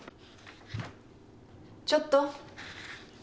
ちょっと。